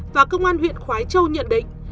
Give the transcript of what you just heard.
và công an huyện khói châu nhận định